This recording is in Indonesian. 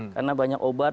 karena banyak obat